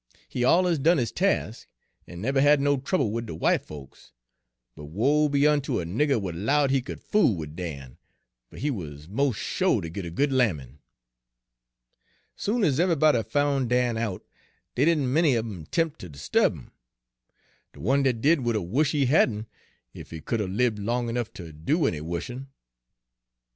He alluz done his task, en nebber had no trouble wid de w'ite folks, but woe be unter de nigger w'at 'lowed he c'd fool wid Dan, fer he wuz mos' sho' ter git a good lammin'. Soon ez eve'ybody foun' Dan Page 169 out, dey didn' many un 'em 'temp' ter 'sturb 'im. De one dat did would 'a' wush' he hadn', ef he could 'a' libbed long ernuff ter do any wushin'.